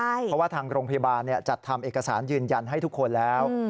เพราะว่าทางโรงพยาบาลจัดทำเอกสารยืนยันให้ทุกคนแล้ว